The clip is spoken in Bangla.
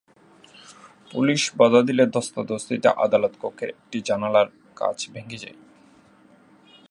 পুলিশ বাধা দিলে ধস্তাধস্তিতে আদালত কক্ষের একটি জানালার কাচ ভেঙে যায়।